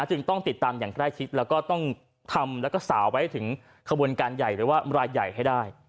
จึงต้องติดตามอย่างใกล้ชิดแล้วก็ต้องทำแล้วก็สาวไว้ถึงขบวนการใหญ่หรือว่ารายใหญ่ให้ได้